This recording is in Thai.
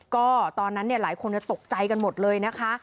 ก็ตอนนั้นหลายคนตกใจกันหมดเลยนะคะ